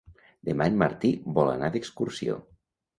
Demà en Martí vol anar d'excursió.